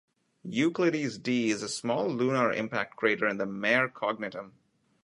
Euclides D is a small lunar impact crater in the Mare Cognitum.